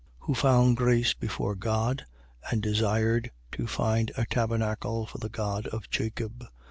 Who found grace before God and desired to find a tabernacle for the God of Jacob.